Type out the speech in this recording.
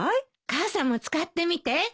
母さんも使ってみて。